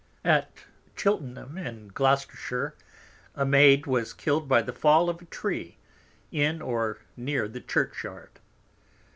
At Chiltenham in Gloucestershire, a Maid was killed by the Fall of a Tree, in or near the Church Yard.